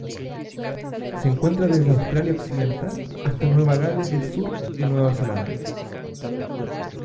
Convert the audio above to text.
Se encuentra desde Australia Occidental hasta Nueva Gales del Sur y Nueva Zelanda.